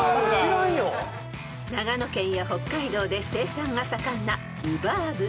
［長野県や北海道で生産が盛んなルバーブ］